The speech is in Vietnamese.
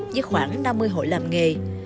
với khoảng năm mươi hội làm nghề